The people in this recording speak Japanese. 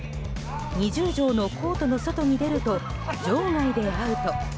２０畳のコートの外に出ると場外でアウト。